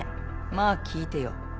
まあ聞いてよ。